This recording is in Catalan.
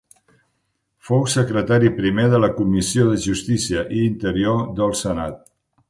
Fou secretari primer de la Comissió de Justícia i Interior del Senat.